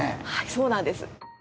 そうなんです。